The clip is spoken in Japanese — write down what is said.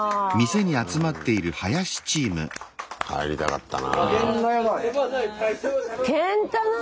入りたかったな。